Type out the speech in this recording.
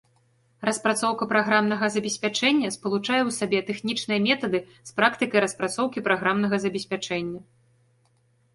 Распрацоўка праграмнага забеспячэння спалучае ў сабе тэхнічныя метады з практыкай распрацоўкі праграмнага забеспячэння.